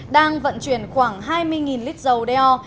đang vận chuyển khoảng hai mươi lít dầu deo